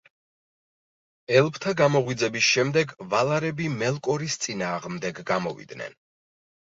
ელფთა გამოღვიძების შემდეგ ვალარები მელკორის წინააღმდეგ გამოვიდნენ.